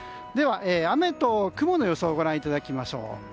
では、雨と雲の予想をご覧いただきましょう。